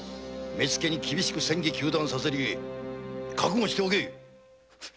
目付に厳しく詮議糾弾させる故覚悟しておけ！